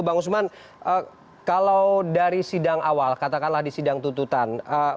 bang usman kalau dari sidang awal katakanlah di sidang tututan